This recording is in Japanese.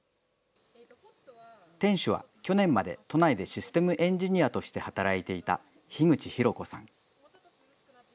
店主は去年まで都内でシステムエンジニアとして働いていた樋口寛子さん。